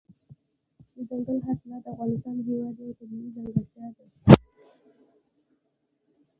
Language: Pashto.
دځنګل حاصلات د افغانستان هېواد یوه طبیعي ځانګړتیا ده.